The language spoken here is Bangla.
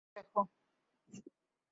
এবার নিজেকে লুকিয়ে রাখো।